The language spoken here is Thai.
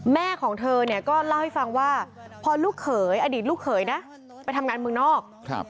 แม่ของเธอเนี่ยก็เล่าให้ฟังว่าพอลูกเขยอดีตลูกเขยนะไปทำงานเมืองนอก